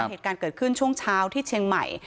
เหตุการณ์เกิดขึ้นช่วงเช้าที่เชียงใหม่